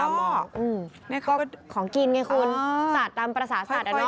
อันนี้เขาก็ของกินไงคุณสัตว์ตามปราสาทสัตว์น่ะเนอะ